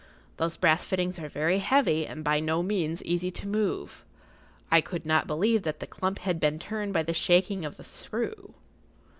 Those brass fittings are very heavy and by no means easy to move; I could not believe that the clump had been turned by the shaking of the screw.